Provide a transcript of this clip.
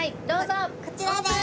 こちらです。